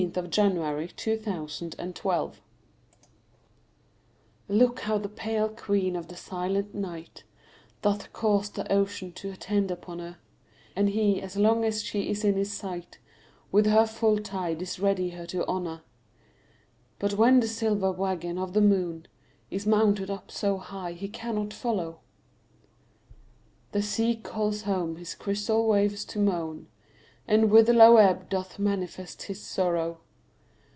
S T . U V . W X . Y Z A Sonnet of the Moon LOOK how the pale queen of the silent night Doth cause the ocean to attend upon her, And he, as long as she is in his sight, With her full tide is ready her to honor. But when the silver waggon of the moon Is mounted up so high he cannot follow, The sea calls home his crystal waves to moan, And with low ebb doth manifest his sorrow.